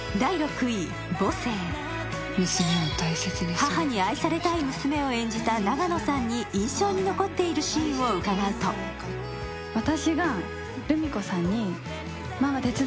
母に愛されたい娘を演じた永野さんに印象に残っているシーンを伺うと戻りました。